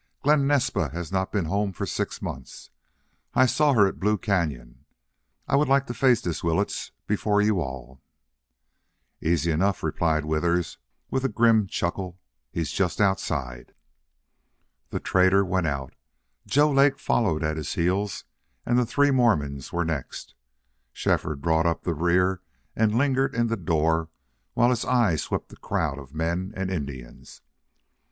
"Glen Naspa has not been home for six months. I saw her at Blue Cañon.... I would like to face this Willetts before you all." "Easy enough," replied Withers, with a grim chuckle. "He's just outside." The trader went out; Joe Lake followed at his heels and the three Mormons were next; Shefford brought up the rear and lingered in the door while his eye swept the crowd of men and Indians.